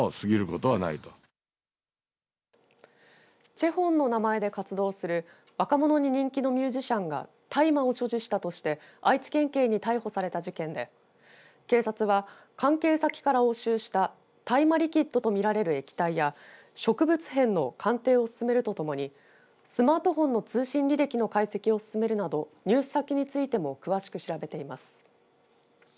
ＣＨＥＨＯＮの名前で活動する若者に人気のミュージシャンが大麻を所持したとして愛知県警に逮捕された事件で警察は関係先から押収した大麻リキッドと見られる液体や植物片の鑑定を進めるとともにスマートフォンの通信履歴の解析を進めるなど入手先についても詳しく調べています。